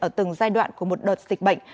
ở từng giai đoạn của một đợt dịch bệnh